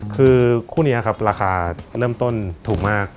คือคู่นี้ครับราคาเริ่มต้นถูกมาก